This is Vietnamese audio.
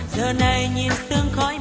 giờ này nhìn sương khói